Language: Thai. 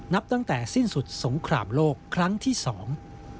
นับตั้งแต่สิ้นสุดสงครามโลกครั้งที่สอง